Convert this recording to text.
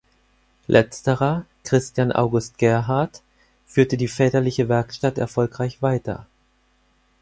Letzterer, Christian August Gerhard, führte die väterliche Werkstatt erfolgreich weiter.